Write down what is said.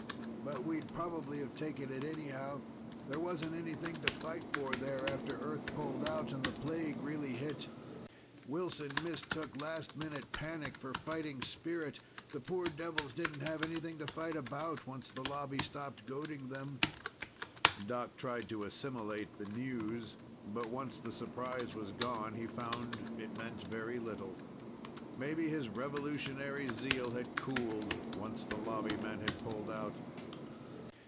But we'd probably have taken it anyhow. There wasn't anything to fight for there after Earth pulled out and the plague really hit. Wilson mistook last minute panic for fighting spirit. The poor devils didn't have anything to fight about, once the Lobby stopped goading them." Doc tried to assimilate the news. But once the surprise was gone, he found it meant very little. Maybe his revolutionary zeal had cooled, once the Lobby men had pulled out.